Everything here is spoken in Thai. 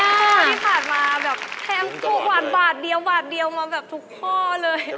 พอที่ผ่านมาแบบแพ้งตู้หวานบาทเดียวมาแบบทุกข้อเลย